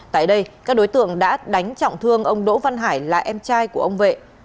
tại đây các đối tượng đã đánh trọng thương ông đỗ văn hải là em trai của ông vệ